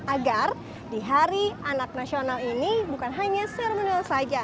agar di hari anak nasional ini bukan hanya sermenal saja